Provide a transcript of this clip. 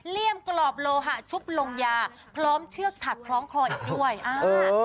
เลี่ยมกรอบโลหะชุบลงยาพร้อมเชือกถักคล้องคออีกด้วยอ่า